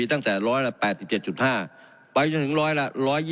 ตั้งแต่ร้อยละ๘๗๕ไปจนถึงร้อยละ๑๒๘๑